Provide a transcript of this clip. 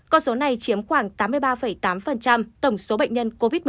con số này chiếm khoảng tám mươi ba tám tổng số bệnh nhân covid một mươi chín